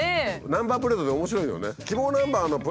ナンバープレートって面白いよね。